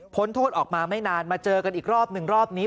โทษออกมาไม่นานมาเจอกันอีกรอบหนึ่งรอบนี้